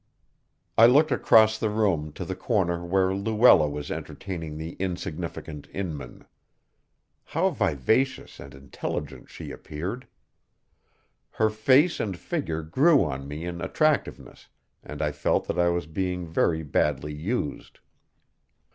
I looked across the room to the corner where Luella was entertaining the insignificant Inman. How vivacious and intelligent she appeared! Her face and figure grew on me in attractiveness, and I felt that I was being very badly used.